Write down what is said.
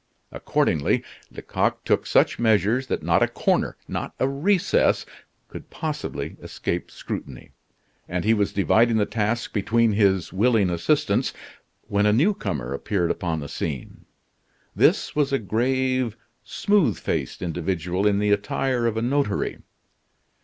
Accordingly, Lecoq took such measures that not a corner, not a recess, could possibly escape scrutiny; and he was dividing the task between his willing assistants, when a new comer appeared upon the scene. This was a grave, smooth faced individual in the attire of a notary.